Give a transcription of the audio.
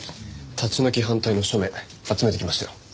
立ち退き反対の署名集めてきましたよ。